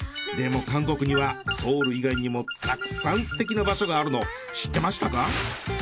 でも韓国にはソウル以外にもたくさん素敵な場所があるの知ってましたか？